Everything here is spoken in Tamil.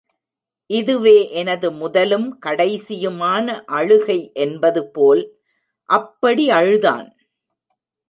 இதுவே எனது முதலும் கடைசியுமான அழுகை என்பது போல் அப்படி அழுதான்.